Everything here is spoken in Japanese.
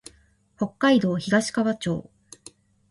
北海道東川町